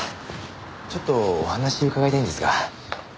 ちょっとお話伺いたいんですが。